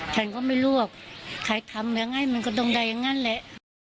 ฉันก็ไม่รู้ว่าใครทำยังไงมันก็ต้องได้อย่างนั้นแหละ